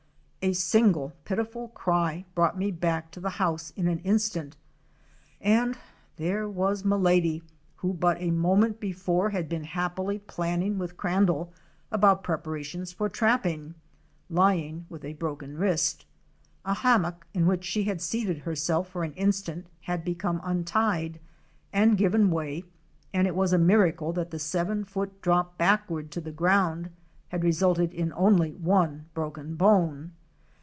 A single pitiful cry brought me back to the house in an instant, and there was Milady, who but a moment before had been happily planning with Crandall about preparations for trapping, lying with a broken wrist. A hammock in which she had seated herself for an instant had come untied and given way and it was a miracle that the seven foot drop backward to the ground had resulted in only one broken bone.